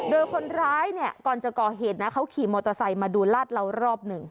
โดยคนร้ายเนี่ยก่อนจะก่อเหตุนะเขาขี่มอเตอร์ไซค์มาดูลาดเรารอบหนึ่ง